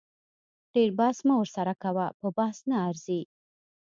ډیر بحث مه ورسره کوه په بحث نه ارزي